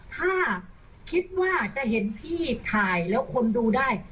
ถ้าคิดว่าจะเห็นพี่ถ่ายแล้วคนดูได้